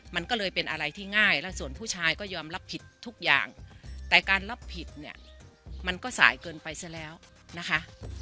มันก็เลยเป็นอะไรที่ง่ายแล้วส่วนผู้ชายก็ยอมรับผิดทุกอย่างแต่การรับผิดเนี่ยมันก็สายเกินไปซะแล้วนะคะ